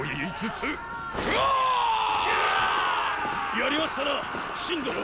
やりましたな信殿！